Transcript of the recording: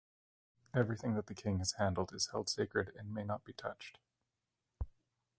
Everything that the king has handled is held sacred and may not be touched.